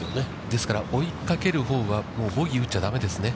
ですから、追いかけるほうはもうボギーを打っちゃだめですね。